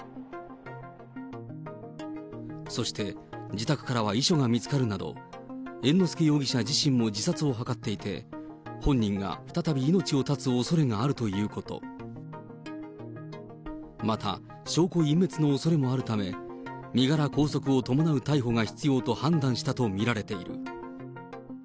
そして、自宅からは遺書が見つかるなど、猿之助容疑者自身も自殺を図っていて、本人が再び命を絶つおそれがあるということ、また、証拠隠滅のおそれもあるため、身柄拘束を伴う逮捕が必要と判断したと見られている。